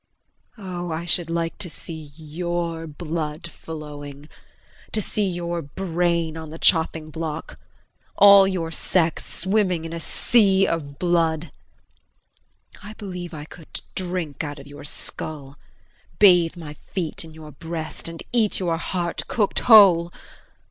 Oh, I should like to see your blood flowing to see your brain on the chopping block, all your sex swimming in a sea of blood. I believe I could drink out of your skull, bathe my feet in your breast and eat your heart cooked whole.